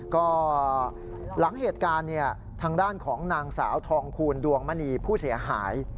ก็หลังเหตุการณ์ทางด้านของนางสาวทองคูณดวงมณีผู้เสียหาย